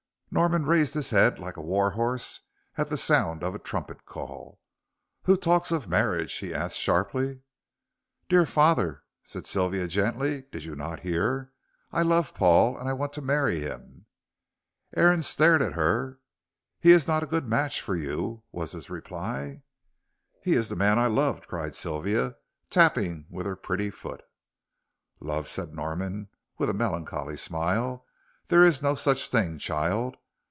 Norman raised his head like a war horse at the sound of a trumpet call. "Who talks of marriage?" he asked sharply. "Dear father," said Sylvia, gently, "did you not hear? I love Paul, and I want to marry him." Aaron stared at her. "He is not a good match for you," was his reply. "He is the man I love," cried Sylvia, tapping with her pretty foot. "Love," said Norman, with a melancholy smile, "there is no such thing, child.